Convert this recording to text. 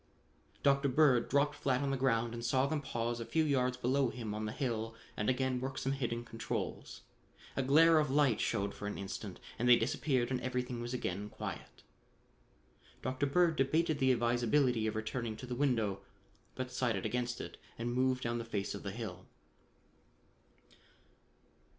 Dr. Bird dropped flat on the ground and saw them pause a few yards below him on the hill and again work some hidden controls. A glare of light showed for an instant and they disappeared and everything was again quiet. Dr. Bird debated the advisability of returning to the window but decided against it and moved down the face of the hill.